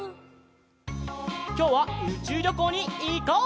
きょうはうちゅうりょこうにいこう！